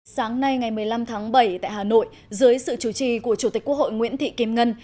sáng nay ngày một mươi năm tháng bảy tại hà nội dưới sự chủ trì của chủ tịch quốc hội nguyễn thị kim ngân